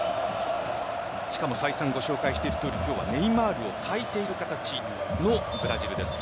しかも再三ご紹介しているとおり今日はネイマールを欠いているブラジルです。